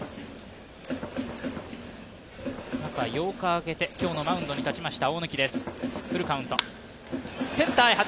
中８日空けて、今日のマウンドに立ちました。